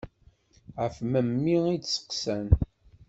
Ɣef memmi ay d-seqqsan.